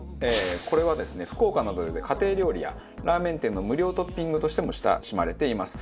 これはですね福岡などで家庭料理やラーメン店の無料トッピングとしても親しまれています。